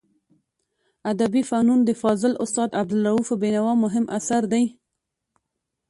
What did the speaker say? ادبي فنون د فاضل استاد عبدالروف بینوا مهم اثر دی.